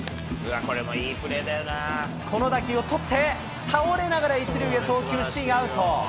この打球を捕って、倒れながら１塁へ送球し、アウト。